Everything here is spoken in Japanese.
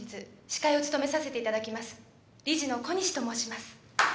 理事の小西と申します。